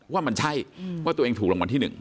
ว่ามันใช่อืมว่าตัวเองถูกรางวัลที่หนึ่ง